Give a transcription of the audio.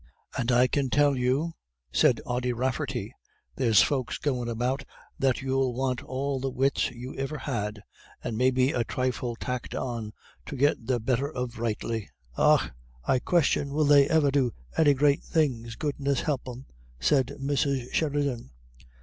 "And I can tell you," said Ody Rafferty, "there's folks goin' about that you'll want all the wits you iver had, and maybe a thrifle tacked on, to get the better of rightly." "Augh, I question will they iver do any great things, goodness help them," said Mrs. Sheridan.